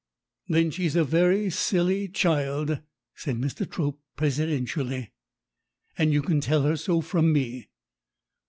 "Then she's a very silly child," said Mr. Trope presidentially, "and you can tell her so from me.